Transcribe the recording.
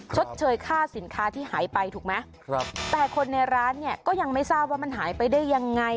ชดเชยค่าสินค้าที่หายไปถูกไหมครับแต่คนในร้านเนี่ยก็ยังไม่ทราบว่ามันหายไปได้ยังไง